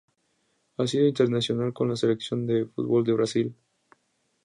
Ha sido internacional con la Selección de fútbol de Brasil.